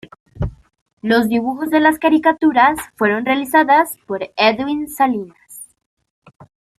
Los dibujos de las caricaturas fueron realizadas por Edwin Salinas.